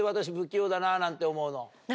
だななんて思うの。